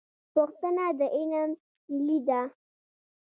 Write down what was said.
پوښتنه د علم کیلي ده